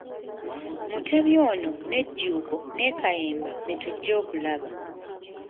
Mutebi ono ne Jjuuko ne Kayemba be tujja okulaba.